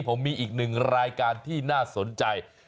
ผมมีอีกหนึ่งรายการที่น่าสนใจ